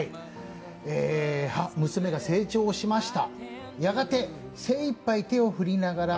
娘が成長しました。